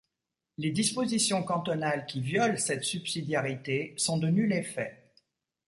Les dispositions cantonales qui violent cette subsidiarité sont de nul effet.